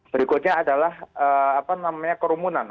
berikutnya adalah apa namanya kerumunan